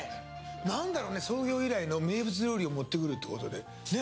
何だろうね創業以来の名物料理を持ってくるってことで。